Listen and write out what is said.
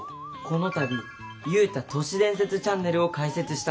この度ユウタ都市伝説チャンネルを開設したんです。